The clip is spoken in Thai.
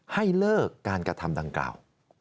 ให้เลิกการกระทำดังกล่าว